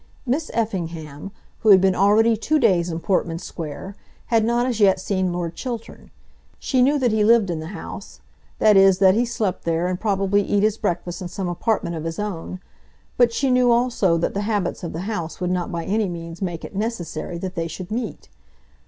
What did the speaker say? Miss Effingham, who had been already two days in Portman Square, had not as yet seen Lord Chiltern. She knew that he lived in the house, that is, that he slept there, and probably eat his breakfast in some apartment of his own; but she knew also that the habits of the house would not by any means make it necessary that they should meet.